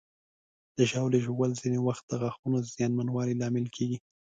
د ژاولې ژوول ځینې وخت د غاښونو زیانمنوالي لامل کېږي.